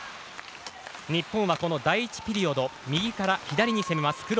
日本はこの第１ピリオド右から左に攻めます。